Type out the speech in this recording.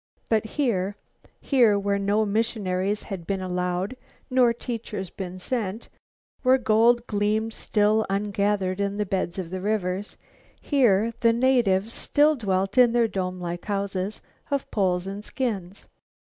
But here, here where no missionaries had been allowed nor teachers been sent, where gold gleamed still ungathered in the beds of the rivers, here the natives still dwelt in their dome like houses of poles and skins.